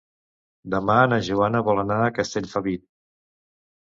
Demà na Joana vol anar a Castellfabib.